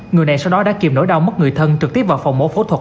người này sau đó đã kiềm nỗi đau mất người thân trực tiếp vào phòng mổ phẫu thuật